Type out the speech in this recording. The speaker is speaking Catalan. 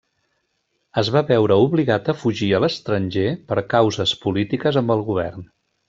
Es va veure obligat a fugir a l'estranger per causes polítiques amb el govern.